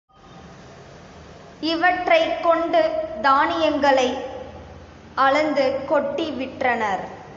இவற்றைக் கொண்டு தானியங் களை அளந்து கொட்டி விற்றனர்.